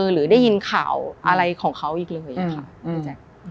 หรือได้ยินข่าวอะไรของเขาอีกหนึ่งเลยค่ะ